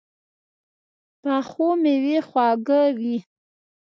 پخو مېوې خواږه وي